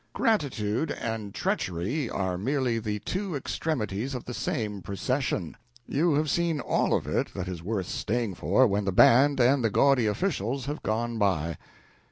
Gratitude and treachery are merely the two extremities of the same procession. You have seen all of it that is worth staying for when the band and the gaudy officials have gone by.